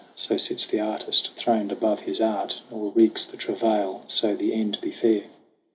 So sits the artist throned above his art, Nor recks the travail so the end be fair.